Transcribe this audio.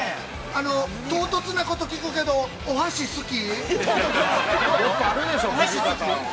唐突なこと聞くけどお箸好き？